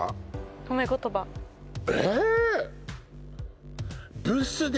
褒め言葉えっ？